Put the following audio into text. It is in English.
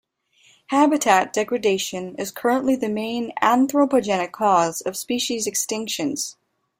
Habitat degradation is currently the main anthropogenic cause of species extinctions.